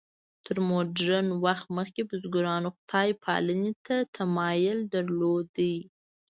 تر مډرن وخت مخکې بزګرانو خدای پالنې ته تمایل درلود.